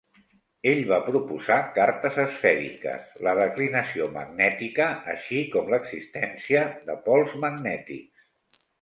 Ell va proposar cartes esfèriques, la declinació magnètica, així com l'existència de pols magnètics.